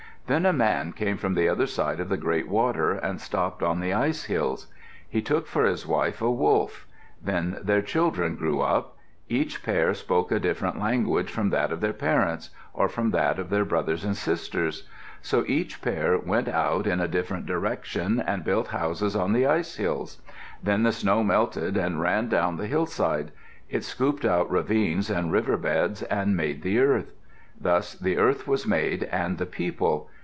Then a man came from the other side of the great water and stopped on the ice hills. He took for his wife a wolf. Then their children grew up. Each pair spoke a different language from that of their parents, or from that of their brothers and sisters. So each pair went out in a different direction and built houses on the ice hills. Then the snow melted and ran down the hillsides. It scooped out ravines and river beds and made the earth. Thus the earth was made and the people.